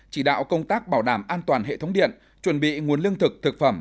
chỉ đạo công tác bảo đảm an toàn hệ thống điện chuẩn bị nguồn lương thực thực phẩm